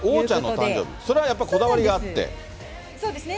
それはやっぱりこだわりがあってそうですね。